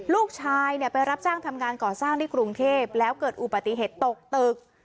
ลูกชายไปรับจ้างทำงานก่อสร้างที่กรุงเทพแล้วเกิดอุบัติเหตุตกตึก